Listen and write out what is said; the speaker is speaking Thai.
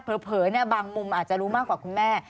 บางมุมอาจจะรู้มากกว่าคุณแม่